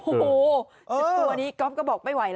สิท้วนะกรอปก็บอกไม่ไหวหรอ